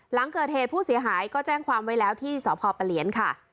หลังเกิดเหตุผู้เสียหายก็แจ้งความไว้แล้วที่สพปะเหลียนค่ะ